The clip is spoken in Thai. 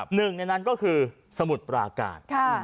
หนึ่งในนั้นก็คือสมุทรปราการ